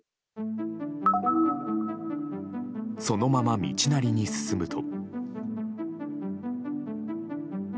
そのまま、道なりに進むと。